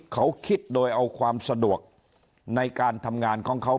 เขาคิดโดยเอาความสะดวกในการทำงานของเขา